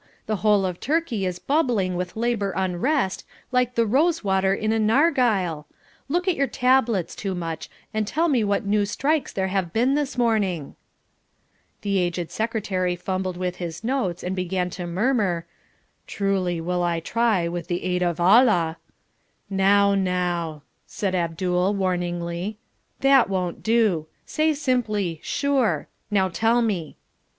The whole of Turkey is bubbling with labour unrest like the rosewater in a narghile. Look at your tablets, Toomuch, and tell me what new strikes there have been this morning." The aged Secretary fumbled with his notes and began to murmur "Truly will I try with the aid of Allah " "Now, now," said Abdul, warningly, "that won't do. Say simply 'Sure.' Now tell me."